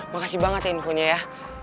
makasih banget ya infonya ya